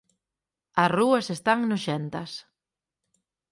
As rúas están noxentas